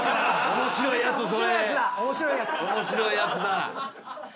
面白いやつだ。